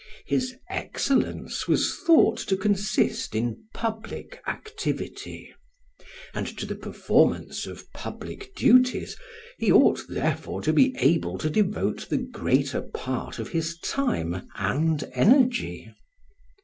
His excellence was thought to consist in public activity; and to the performance of public duties he ought therefore to be able to devote the greater part of his time and energy.